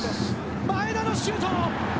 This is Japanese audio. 前田のシュート！